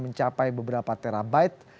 mencapai beberapa terabyte